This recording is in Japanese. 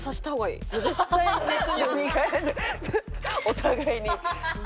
お互いに。